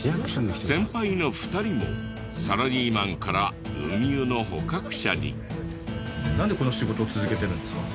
先輩の２人もサラリーマンからウミウの捕獲者に。